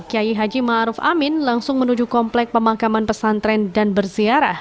kiai haji ma'ruf amin langsung menuju komplek pemakaman pesantren dan bersiarah